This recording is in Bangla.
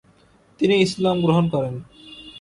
তিনি ইসলাম গ্রহণ করেন।